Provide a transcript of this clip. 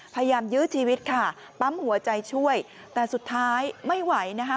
ยื้อชีวิตค่ะปั๊มหัวใจช่วยแต่สุดท้ายไม่ไหวนะคะ